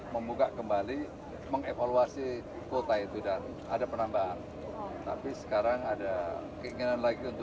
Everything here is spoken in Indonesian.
membuka kembali mengevaluasi kuota itu dan ada penambahan tapi sekarang ada keinginan lagi untuk